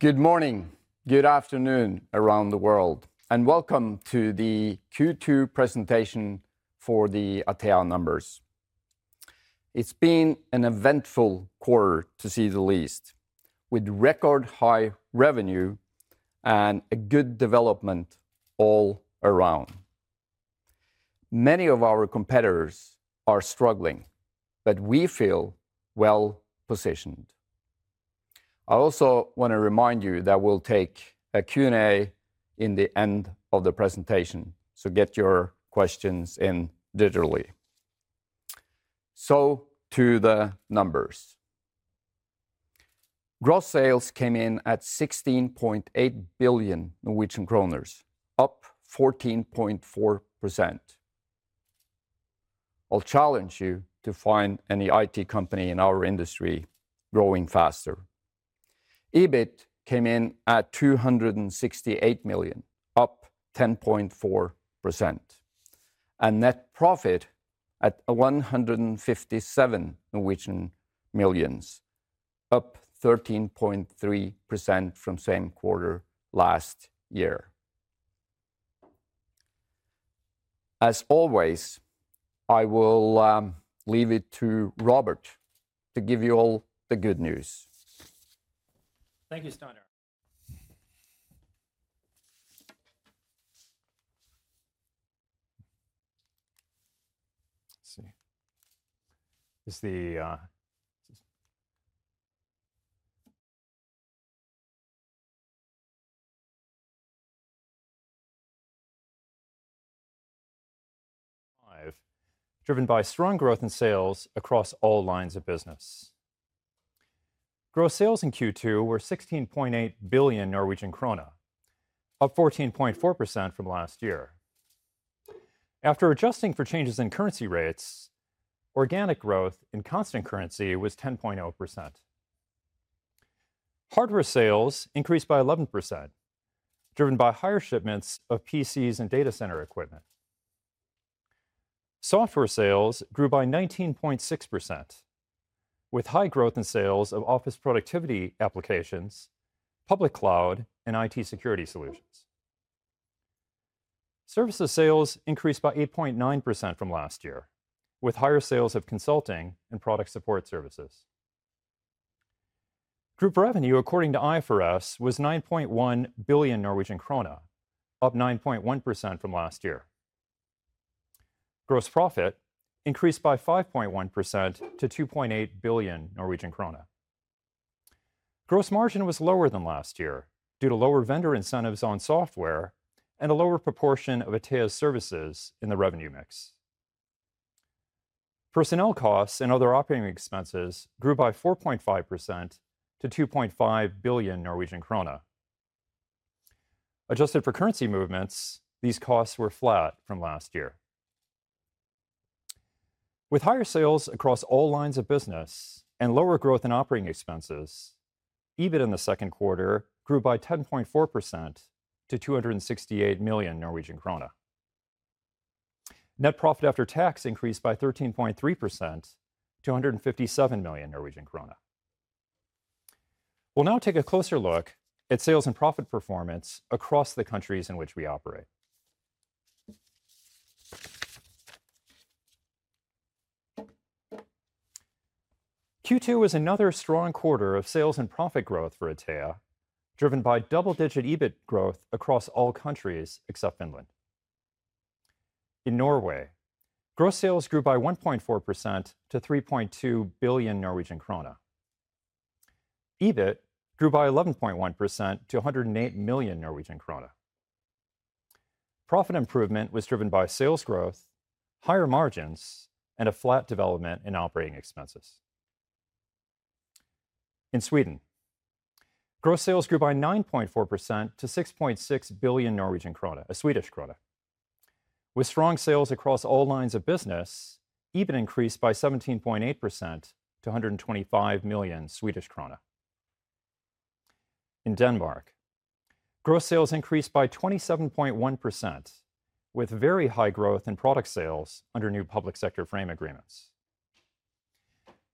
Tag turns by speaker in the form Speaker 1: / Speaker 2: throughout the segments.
Speaker 1: Good morning, good afternoon around the world, and welcome to the Q2 presentation for the Atea numbers. It's been an eventful quarter, to say the least, with record-high revenue and a good development all around. Many of our competitors are struggling, but we feel well-positioned. I also want to remind you that we'll take a Q&A at the end of the presentation, so get your questions in digitally. To the numbers: Gross sales came in at 16.8 billion Norwegian kroner, up 14.4%. I'll challenge you to find any IT company in our industry growing faster. EBIT came in at 268 million, up 10.4%, and net profit at 157 million, up 13.3% from the same quarter last year. As always, I will leave it to Robert to give you all the good news.
Speaker 2: Thank you, Steinar. Driven by strong growth in sales across all lines of business, gross sales in Q2 were 16.8 billion Norwegian krone, up 14.4% from last year. After adjusting for changes in currency rates, organic growth in constant currency was 10.0%. Hardware sales increased by 11%, driven by higher shipments of PCs and data center equipment. Software sales grew by 19.6%, with high growth in sales of office productivity applications, public cloud, and IT security solutions. Services sales increased by 8.9% from last year, with higher sales of consulting and product support services. Group revenue, according to IFRS, was 9.1 billion Norwegian krone, up 9.1% from last year. Gross profit increased by 5.1% to 2.8 billion Norwegian krone. Gross margin was lower than last year due to lower vendor incentives on software and a lower proportion of Atea's services in the revenue mix. Personnel costs and other operating expenses grew by 4.5% to 2.5 billion Norwegian krone. Adjusted for currency movements, these costs were flat from last year. With higher sales across all lines of business and lower growth in operating expenses, EBIT in the second quarter grew by 10.4% to 268 million Norwegian krone. Net profit after tax increased by 13.3% to 157 million Norwegian krone. We'll now take a closer look at sales and profit performance across the countries in which we operate. Q2 was another strong quarter of sales and profit growth for Atea, driven by double-digit EBIT growth across all countries except Finland. In Norway, gross sales grew by 1.4% to 3.2 billion Norwegian krone. EBIT grew by 11.1% to 108 million Norwegian krone. Profit improvement was driven by sales growth, higher margins, and a flat development in operating expenses. In Sweden, gross sales grew by 9.4% to SEK 6.6 billion. With strong sales across all lines of business, EBIT increased by 17.8% to 125 million Swedish krona. In Denmark, gross sales increased by 27.1%, with very high growth in product sales under new public sector frame agreements.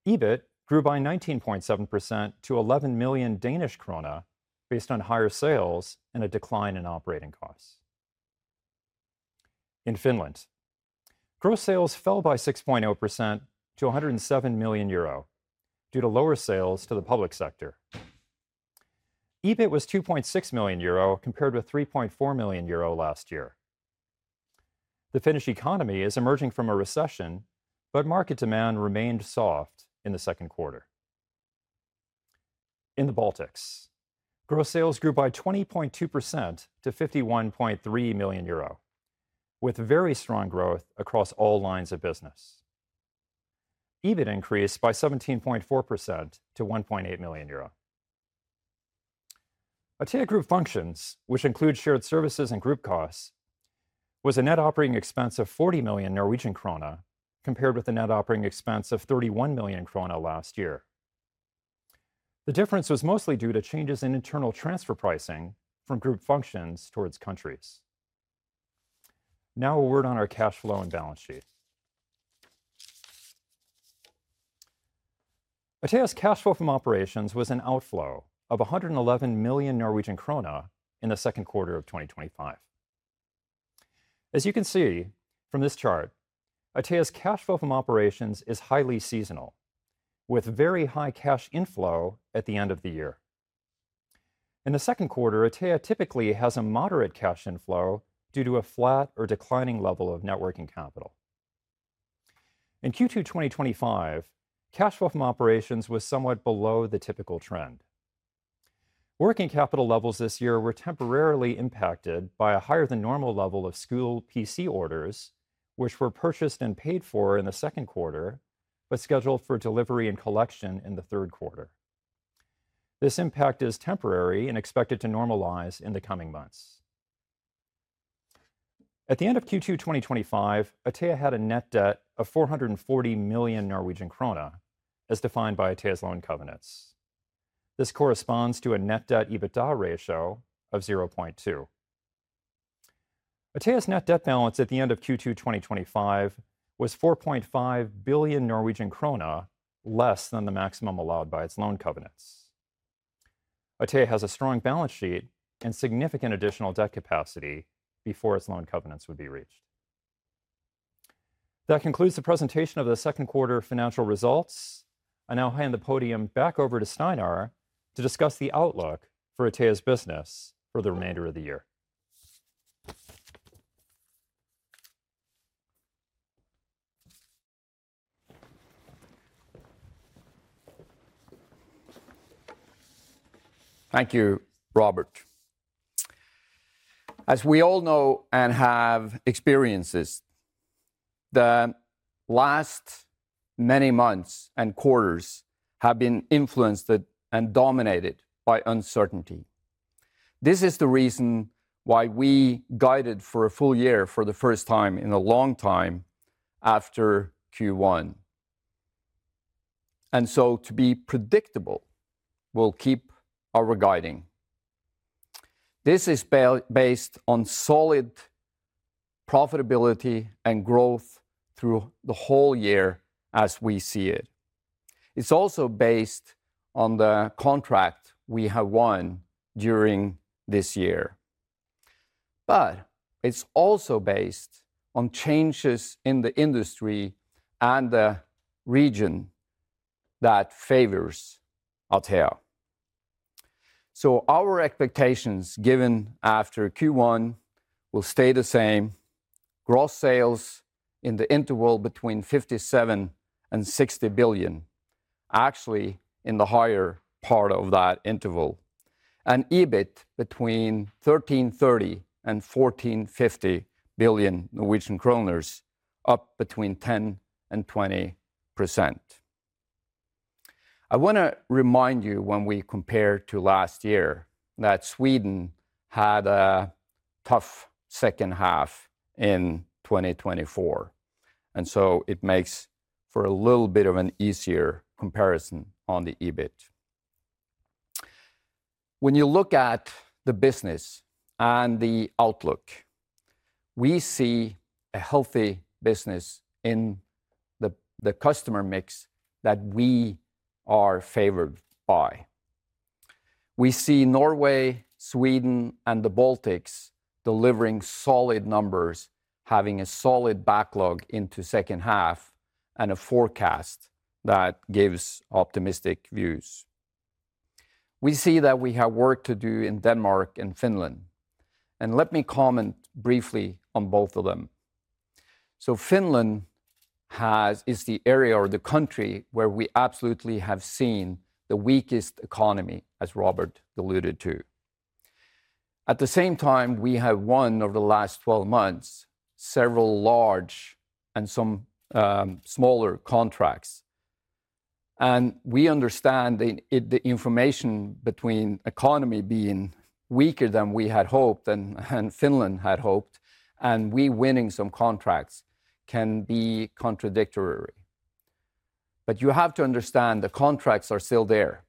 Speaker 2: EBIT grew by 19.7% to 11 million Danish krone, based on higher sales and a decline in operating costs. In Finland, gross sales fell by 6.0% to 107 million euro due to lower sales to the public sector. EBIT was 2.6 million euro compared with 3.4 million euro last year. The Finnish economy is emerging from a recession, but market demand remained soft in the second quarter. In the Baltics, gross sales grew by 20.2% to 51.3 million euro, with very strong growth across all lines of business. EBIT increased by 17.4% to 1.8 million euro. Atea Group Functions, which includes shared services and group costs, was a net operating expense of 40 million Norwegian krone, compared with the net operating expense of 31 million krone last year. The difference was mostly due to changes in internal transfer pricing from group functions towards countries. Now, a word on our cash flow and balance sheet. Atea's cash flow from operations was an outflow of 111 million Norwegian krone in the second quarter of 2025. As you can see from this chart, Atea's cash flow from operations is highly seasonal, with very high cash inflow at the end of the year. In the second quarter, Atea typically has a moderate cash inflow due to a flat or declining level of networking capital. In Q2 2025, cash flow from operations was somewhat below the typical trend. Working capital levels this year were temporarily impacted by a higher-than-normal level of school PC orders, which were purchased and paid for in the second quarter, but scheduled for delivery and collection in the third quarter. This impact is temporary and expected to normalize in the coming months. At the end of Q2 2025, Atea had a net debt of 440 million Norwegian krone, as defined by Atea's loan covenants. This corresponds to a net debt/EBITDA ratio of 0.2. Atea's net debt balance at the end of Q2 2025 was 4.5 billion Norwegian krone, less than the maximum allowed by its loan covenants. Atea has a strong balance sheet and significant additional debt capacity before its loan covenants would be reached. That concludes the presentation of the second quarter financial results. I now hand the podium back over to Steinar to discuss the outlook for Atea's business for the remainder of the year.
Speaker 1: Thank you, Robert. As we all know and have experienced, the last many months and quarters have been influenced and dominated by uncertainty. This is the reason why we guided for a full year for the first time in a long time after Q1. To be predictable, we'll keep our guiding. This is based on solid profitability and growth through the whole year as we see it. It's also based on the contract we have won during this year. It's also based on changes in the industry and the region that favors Atea. Our expectations, given after Q1, will stay the same: gross sales in the interval between 57 billion and 60 billion, actually in the higher part of that interval, and EBIT between 1.33 billion Norwegian kroner and NOK 1.45 billion, up between 10% and 20%. I want to remind you, when we compare to last year, that Sweden had a tough second half in 2023. It makes for a little bit of an easier comparison on the EBIT. When you look at the business and the outlook, we see a healthy business in the customer mix that we are favored by. We see Norway, Sweden, and the Baltics delivering solid numbers, having a solid backlog into the second half, and a forecast that gives optimistic views. We see that we have work to do in Denmark and Finland. Let me comment briefly on both of them. Finland is the area or the country where we absolutely have seen the weakest economy, as Robert alluded to. At the same time, we have won, over the last 12 months, several large and some smaller contracts. We understand the information between the economy being weaker than we had hoped and Finland had hoped, and we winning some contracts can be contradictory. You have to understand the contracts are still there.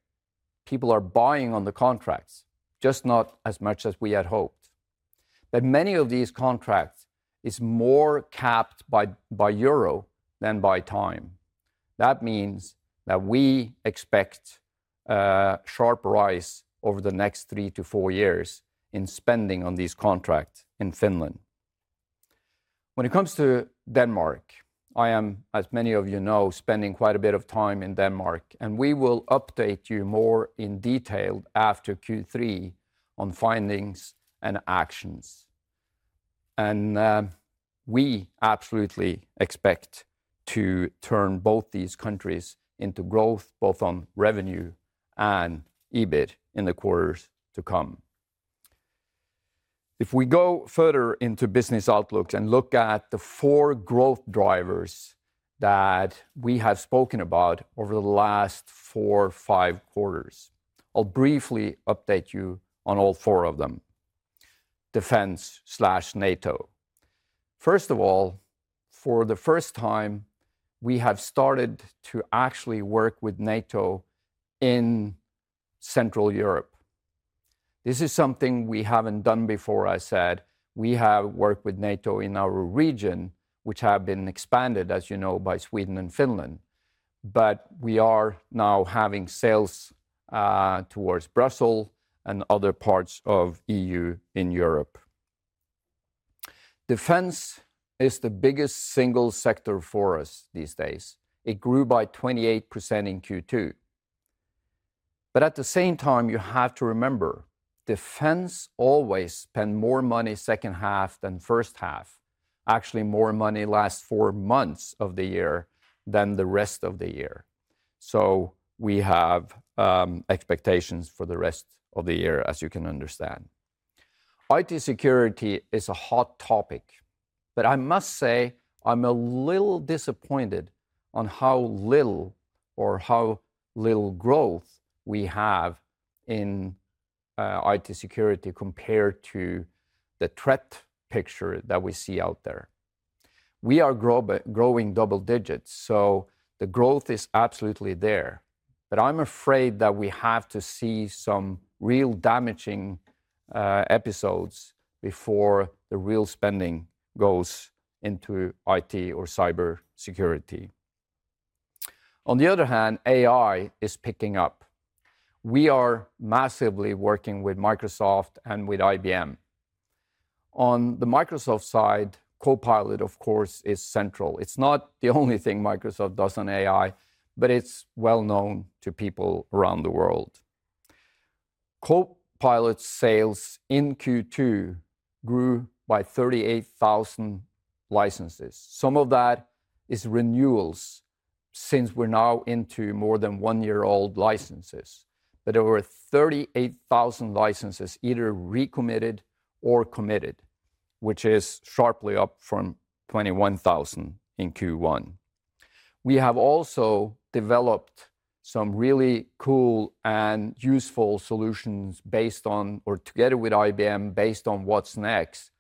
Speaker 1: People are buying on the contracts, just not as much as we had hoped. Many of these contracts are more capped by euro than by time. That means that we expect a sharp rise over the next three to four years in spending on these contracts in Finland. When it comes to Denmark, I am, as many of you know, spending quite a bit of time in Denmark, and we will update you more in detail after Q3 on findings and actions. We absolutely expect to turn both these countries into growth, both on revenue and EBIT in the quarters to come. If we go further into business outlooks and look at the four growth drivers that we have spoken about over the last four or five quarters, I'll briefly update you on all four of them. Defense/NATO. First of all, for the first time, we have started to actually work with NATO in Central Europe. This is something we haven't done before, I said. We have worked with NATO in our region, which has been expanded, as you know, by Sweden and Finland. We are now having sales towards Brussels and other parts of the EU in Europe. Defense is the biggest single sector for us these days. It grew by 28% in Q2. At the same time, you have to remember, defense always spends more money in the second half than the first half. Actually, more money in the last four months of the year than the rest of the year. We have expectations for the rest of the year, as you can understand. IT security is a hot topic, but I must say I'm a little disappointed in how little or how little growth we have in IT security compared to the threat picture that we see out there. We are growing double digits, so the growth is absolutely there. I'm afraid that we have to see some real damaging episodes before the real spending goes into IT or cybersecurity. On the other hand, AI is picking up. We are massively working with Microsoft and with IBM. On the Microsoft side, Copilot, of course, is central. It's not the only thing Microsoft does on AI, but it's well-known to people around the world. Copilot sales in Q2 grew by 38,000 licenses. Some of that is renewals since we're now into more than one-year-old licenses. There were 38,000 licenses either recommitted or committed, which is sharply up from 21,000 in Q1. We have also developed some really cool and useful solutions based on, or together with IBM, based on what's next,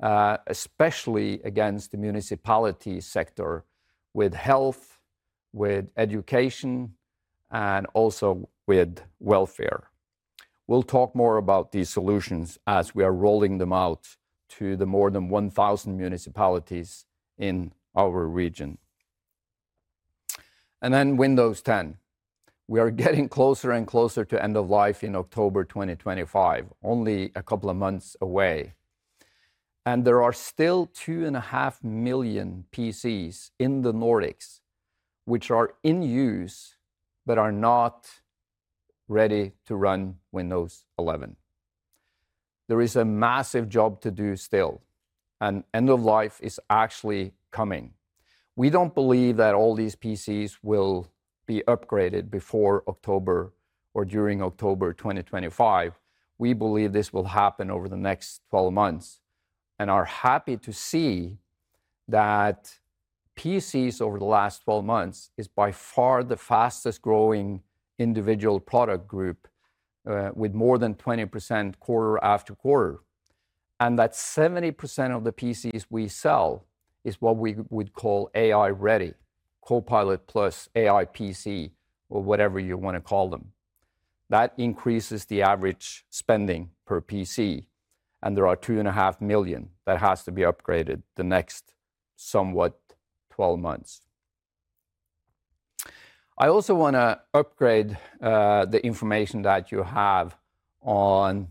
Speaker 1: especially against the municipality sector, with health, with education, and also with welfare. We'll talk more about these solutions as we are rolling them out to the more than 1,000 municipalities in our region. Windows 10. We are getting closer and closer to end of life in October 2025, only a couple of months away. There are still 2.5 million PCs in the Nordics, which are in use but are not ready to run Windows 11. There is a massive job to do still, and end of life is actually coming. We don't believe that all these PCs will be upgraded before October or during October 2025. We believe this will happen over the next 12 months and are happy to see that PCs over the last 12 months are by far the fastest growing individual product group, with more than 20% quarter-after-quarter. That 70% of the PCs we sell is what we would call AI-ready, Copilot+, AIPC, or whatever you want to call them. That increases the average spending per PC, and there are 2.5 million that have to be upgraded in the next somewhat 12 months. I also want to upgrade the information that you have on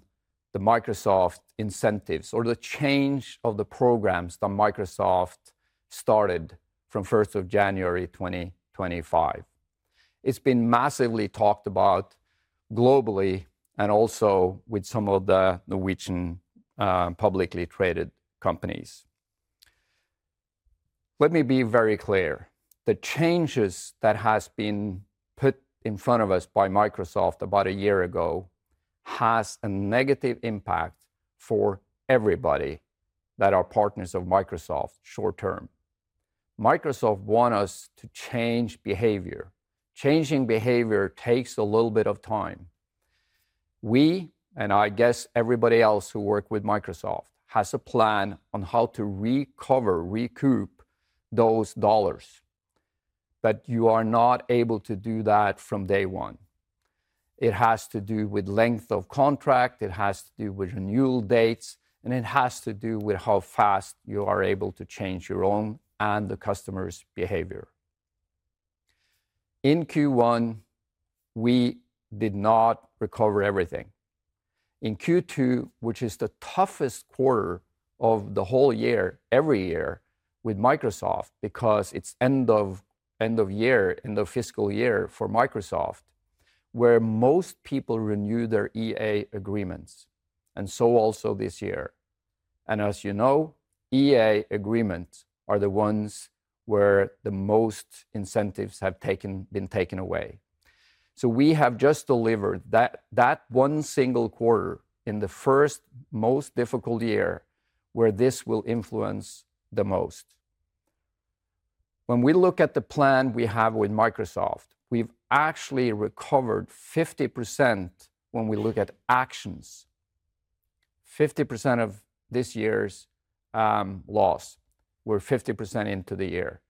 Speaker 1: the Microsoft incentives or the change of the programs that Microsoft started from 1st of January 2025. It's been massively talked about globally and also with some of the Norwegian publicly traded companies. Let me be very clear. The changes that have been put in front of us by Microsoft about a year ago have a negative impact for everybody that are partners of Microsoft short term. Microsoft wants us to change behavior. Changing behavior takes a little bit of time. We, and I guess everybody else who works with Microsoft, has a plan on how to recover, recoup those dollars. You are not able to do that from day one. It has to do with length of contract, it has to do with renewal dates, and it has to do with how fast you are able to change your own and the customer's behavior. In Q1, we did not recover everything. In Q2, which is the toughest quarter of the whole year every year with Microsoft because it's end of year, end of fiscal year for Microsoft, where most people renew their Enterprise Agreements, and also this year. As you know, Enterprise Agreements are the ones where the most incentives have been taken away. We have just delivered that one single quarter in the first most difficult year where this will influence the most. When we look at the plan we have with Microsoft, we've actually recovered 50% when we look at actions. 50% of this year's loss, we're 50% into the year.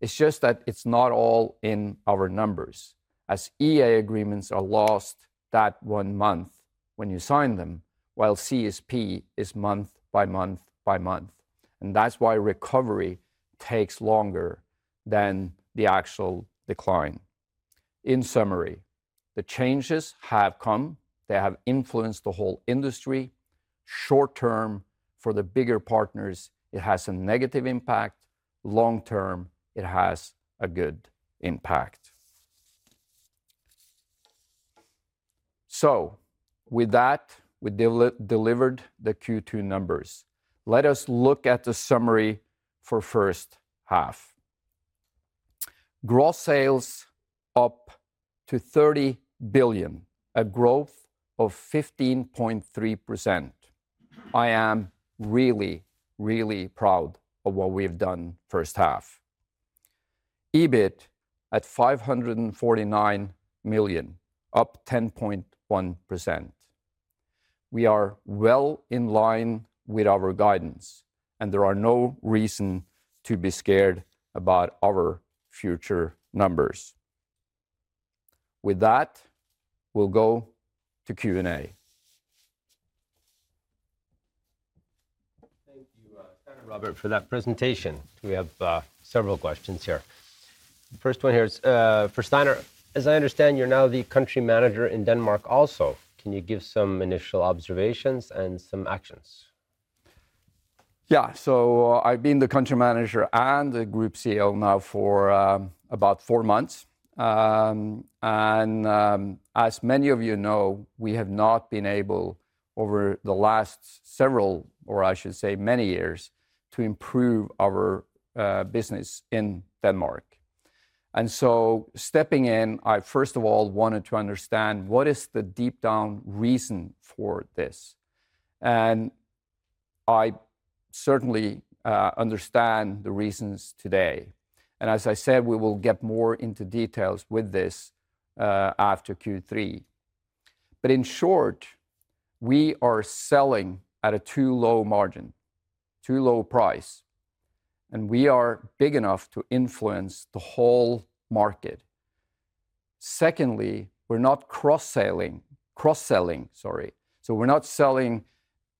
Speaker 1: It's just that it's not all in our numbers. As Enterprise Agreements are lost that one month when you sign them, while CSP is month by month by month. That's why recovery takes longer than the actual decline. In summary, the changes have come. They have influenced the whole industry. Short term, for the bigger partners, it has a negative impact. Long term, it has a good impact. With that, we delivered the Q2 numbers. Let us look at the summary for the first half. Gross sales up to 30 billion, a growth of 15.3%. I am really, really proud of what we've done in the first half. EBIT at 549 million, up 10.1%. We are well in line with our guidance, and there is no reason to be scared about our future numbers. With that, we'll go to Q&A. Thank you, Robert, for that presentation. We have several questions here. The first one here is for Steinar. As I understand, you're now the Country Manager in Denmark also. Can you give some initial observations and some actions? Yeah, so I've been the Country Manager and the Group CEO now for about four months. As many of you know, we have not been able, over the last several, or I should say many years, to improve our business in Denmark. Stepping in, I first of all wanted to understand what is the deep-down reason for this. I certainly understand the reasons today. As I said, we will get more into details with this after Q3. In short, we are selling at a too low margin, too low price, and we are big enough to influence the whole market. Secondly, we're not cross-selling, sorry. We're not selling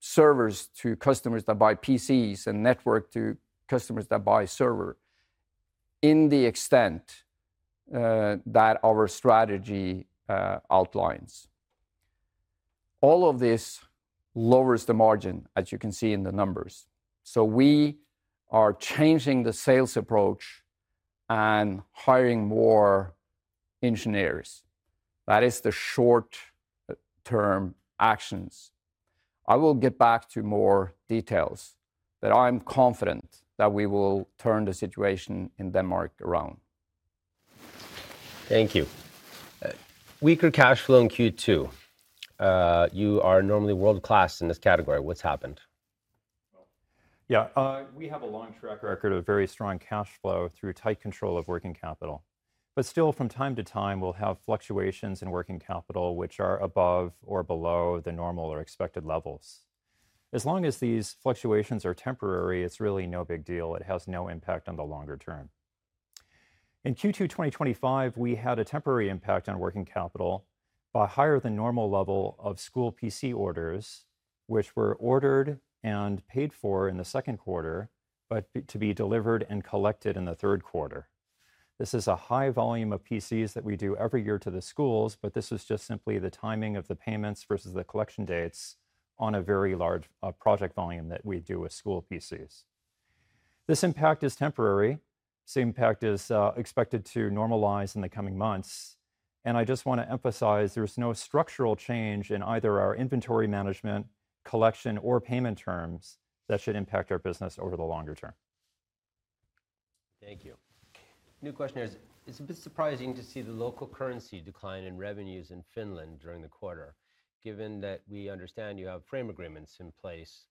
Speaker 1: servers to customers that buy PCs and network to customers that buy servers, in the extent that our strategy outlines. All of this lowers the margin, as you can see in the numbers. We are changing the sales approach and hiring more engineers. That is the short-term actions. I will get back to more details, but I'm confident that we will turn the situation in Denmark around. Thank you. Weaker cash flow in Q2. You are normally world-class in this category. What's happened?
Speaker 2: Yeah, we have a long track record of very strong cash flow through tight control of working capital. Still, from time to time, we'll have fluctuations in working capital which are above or below the normal or expected levels. As long as these fluctuations are temporary, it's really no big deal. It has no impact on the longer term. In Q2 2025, we had a temporary impact on working capital by a higher-than-normal level of school PC orders, which were ordered and paid for in the second quarter, but to be delivered and collected in the third quarter. This is a high volume of PCs that we do every year to the schools, but this was just simply the timing of the payments versus the collection dates on a very large project volume that we do with school PCs. This impact is temporary. This impact is expected to normalize in the coming months. I just want to emphasize there's no structural change in either our inventory management, collection, or payment terms that should impact our business over the longer term. Thank you. New question is, it's a bit surprising to see the local currency decline in revenues in Finland during the quarter, given that we understand you have frame agreements in place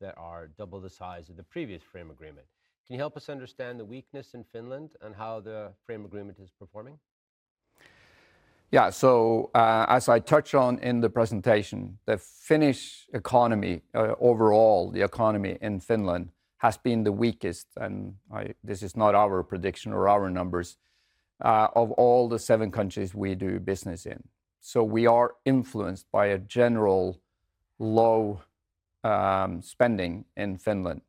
Speaker 2: that are double the size of the previous frame agreement. Can you help us understand the weakness in Finland and how the frame agreement is performing?
Speaker 1: Yeah, as I touched on in the presentation, the Finnish economy, overall, the economy in Finland has been the weakest, and this is not our prediction or our numbers, of all the seven countries we do business in. We are influenced by a general low spending in Finland.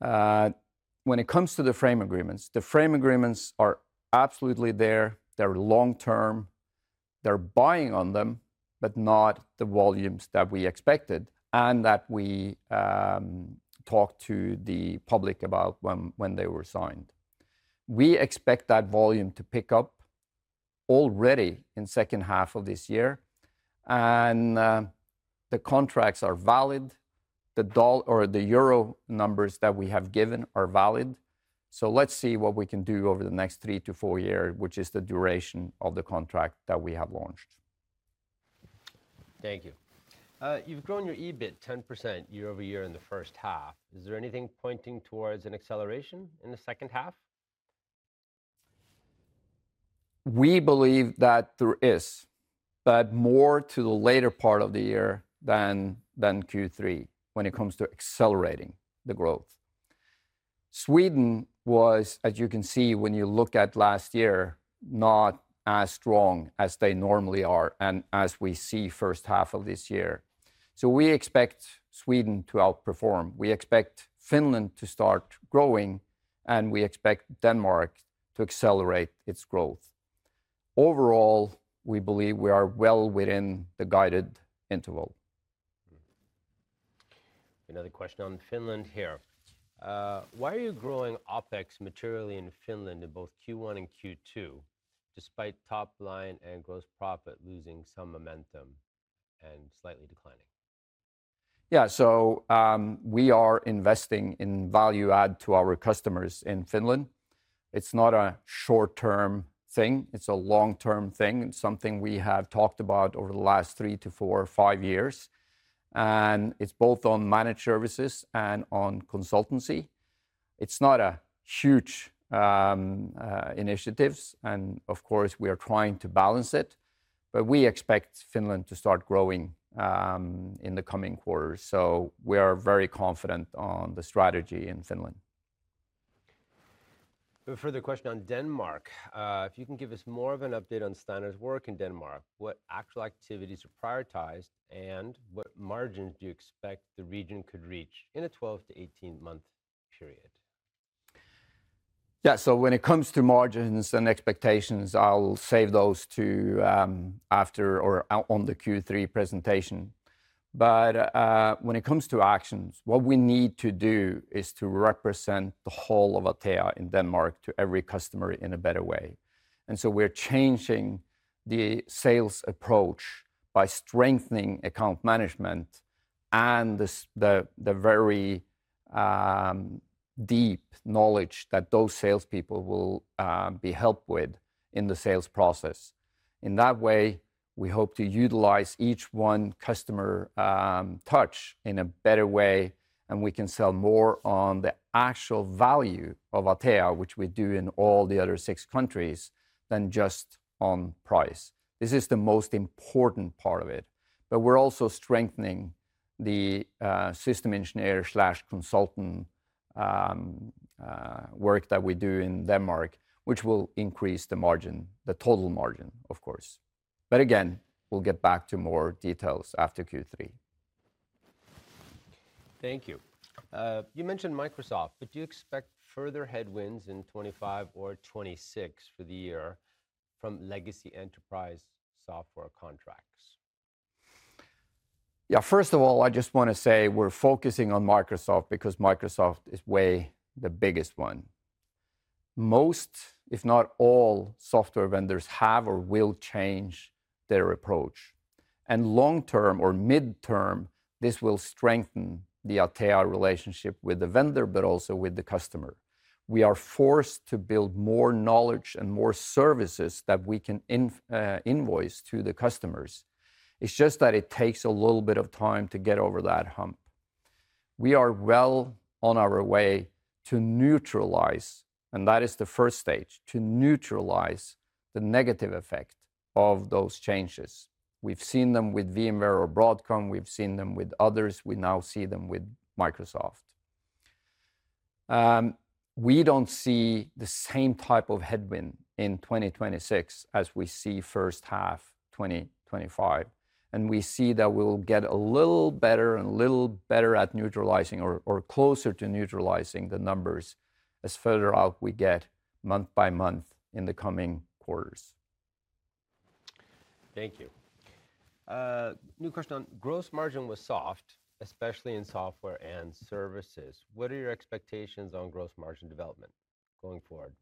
Speaker 1: When it comes to the frame agreements, the frame agreements are absolutely there. They're long term. They're buying on them, but not the volumes that we expected and that we talked to the public about when they were signed. We expect that volume to pick up already in the second half of this year. The contracts are valid. The euro numbers that we have given are valid. Let's see what we can do over the next three to four years, which is the duration of the contract that we have launched. Thank you. You've grown your EBIT 10% year-over-year in the first half. Is there anything pointing towards an acceleration in the second half? We believe that there is, but more to the later part of the year than Q3 when it comes to accelerating the growth. Sweden was, as you can see when you look at last year, not as strong as they normally are, and as we see the first half of this year. We expect Sweden to outperform. We expect Finland to start growing, and we expect Denmark to accelerate its growth. Overall, we believe we are well within the guided interval. Another question on Finland here. Why are you growing OpEx materially in Finland in both Q1 and Q2, despite top line and gross profit losing some momentum and slightly declining? We are investing in value-add to our customers in Finland. It's not a short-term thing. It's a long-term thing. It's something we have talked about over the last three to four or five years. It's both on managed services and on consultancy. It's not a huge initiative, and of course, we are trying to balance it. We expect Finland to start growing in the coming quarters. We are very confident on the strategy in Finland. Further question on Denmark. If you can give us more of an update on Steinar's work in Denmark, what actual activities are prioritized, and what margins do you expect the region could reach in a 12 month-18 month period? Yeah, when it comes to margins and expectations, I'll save those to after or on the Q3 presentation. When it comes to actions, what we need to do is to represent the whole of Atea in Denmark to every customer in a better way. We're changing the sales approach by strengthening account management and the very deep knowledge that those salespeople will be helped with in the sales process. In that way, we hope to utilize each one customer touch in a better way, and we can sell more on the actual value of Atea, which we do in all the other six countries, than just on price. This is the most important part of it. We're also strengthening the system engineer/consultant work that we do in Denmark, which will increase the margin, the total margin, of course. Again, we'll get back to more details after Q3. Thank you. You mentioned Microsoft, but do you expect further headwinds in 2025 or 2026 for the year from legacy Enterprise Agreement software contracts? Yeah, first of all, I just want to say we're focusing on Microsoft because Microsoft is way the biggest one. Most, if not all, software vendors have or will change their approach. Long term or midterm, this will strengthen the Atea relationship with the vendor, but also with the customer. We are forced to build more knowledge and more services that we can invoice to the customers. It's just that it takes a little bit of time to get over that hump. We are well on our way to neutralize, and that is the first stage, to neutralize the negative effect of those changes. We've seen them with VMware or Broadcom. We've seen them with others. We now see them with Microsoft. We don't see the same type of headwind in 2026 as we see first half 2025. We see that we'll get a little better and a little better at neutralizing or closer to neutralizing the numbers as further out we get month by month in the coming quarters. Thank you. New question on gross margin was soft, especially in software and services. What are your expectations on gross margin development going forward?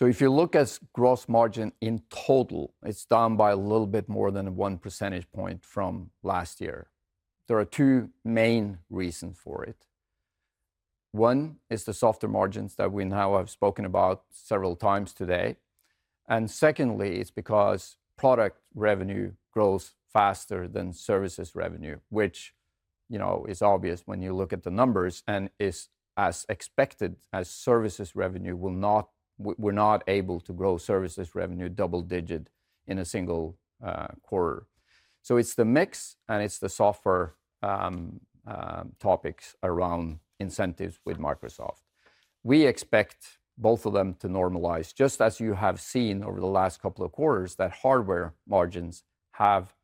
Speaker 1: If you look at gross margin in total, it's down by a little bit more than 1% from last year. There are two main reasons for it. One is the softer margins that we now have spoken about several times today. Secondly, it's because product revenue grows faster than services revenue, which, you know, is obvious when you look at the numbers and is as expected as services revenue. We're not able to grow services revenue double-digit in a single quarter. It's the mix and it's the software topics around incentives with Microsoft. We expect both of them to normalize, just as you have seen over the last couple of quarters that hardware margins have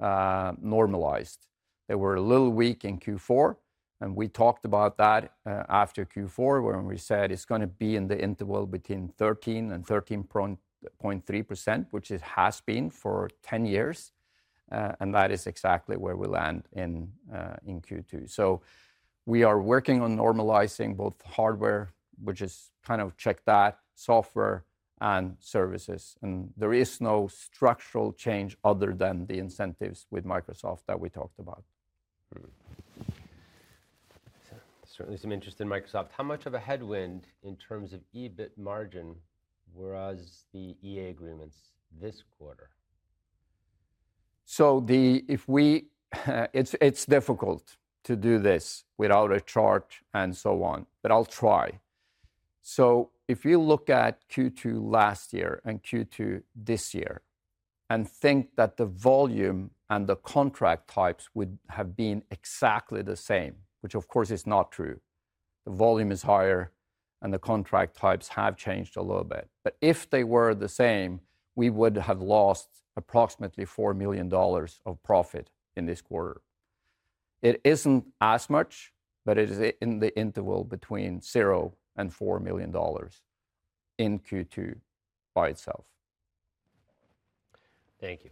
Speaker 1: normalized. They were a little weak in Q4, and we talked about that after Q4 when we said it's going to be in the interval between 13% and 13.3%, which it has been for 10 years. That is exactly where we land in Q2. We are working on normalizing both hardware, which is kind of check that, software and services. There is no structural change other than the incentives with Microsoft that we talked about. Certainly some interest in Microsoft. How much of a headwind in terms of EBIT margin were the Enterprise Agreements this quarter? If you look at Q2 last year and Q2 this year and think that the volume and the contract types would have been exactly the same, which of course is not true. The volume is higher and the contract types have changed a little bit. If they were the same, we would have lost approximately $4 million of profit in this quarter. It isn't as much, but it is in the interval between $0 and $4 million in Q2 by itself. Thank you.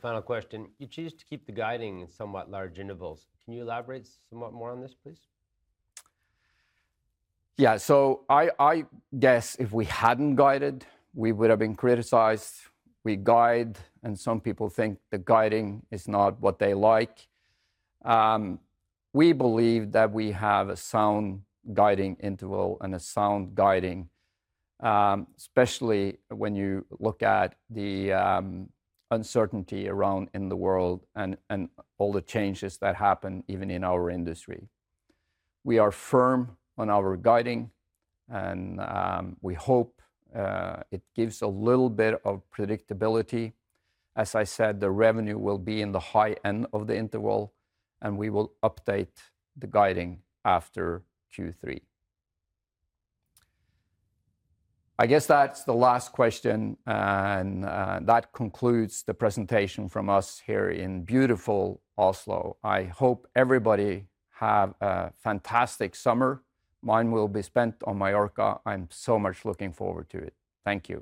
Speaker 1: Final question. You choose to keep the guiding in somewhat large intervals. Can you elaborate somewhat more on this, please? Yeah, if we hadn't guided, we would have been criticized. We guide, and some people think the guiding is not what they like. We believe that we have a sound guiding interval and a sound guiding, especially when you look at the uncertainty around in the world and all the changes that happen even in our industry. We are firm on our guiding, and we hope it gives a little bit of predictability. As I said, the revenue will be in the high end of the interval, and we will update the guiding after Q3. I guess that's the last question, and that concludes the presentation from us here in beautiful Oslo. I hope everybody has a fantastic summer. Mine will be spent on Mallorca. I'm so much looking forward to it. Thank you.